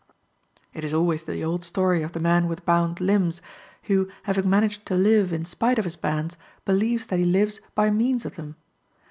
It is always the old story of the man with bound limbs, who, having managed to live in spite of his bands, believes that he lives by means of them.